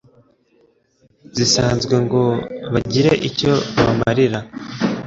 zisanzwe ngo bagire icyo babamarira.